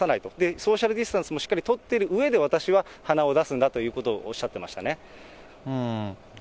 ソーシャルディスタンスもしっかり取ってるうえで私は鼻を出すんだということをおっしゃってましたね。